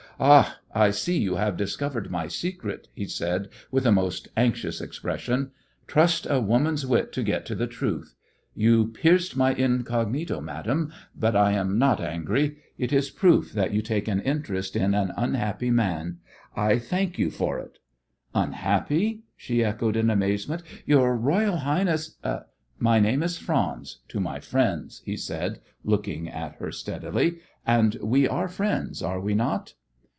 "Ah, I see you have discovered my secret," he said with a most anxious expression. "Trust a woman's wit to get to the truth. You pierced my incognito, madame. But I am not angry. It is proof that you take an interest in an unhappy man. I thank you for it." "Unhappy?" she echoed in amazement. "Your Royal Highness " "My name is Franz to my friends," he said, looking at her steadily, "and we are friends, are we not?"